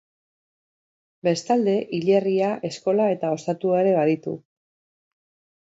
Bestalde, hilerria, eskola eta ostatua ere baditu.